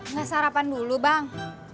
nge sarapan dulu bang